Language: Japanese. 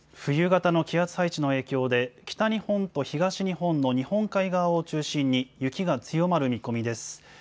冬型の気圧配置の影響で、北日本と東日本の日本海側を中心に雪が強まる見込みです。